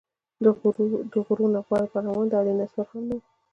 د غورو نه غوره پهلوان د علي نسوار هم نه وو.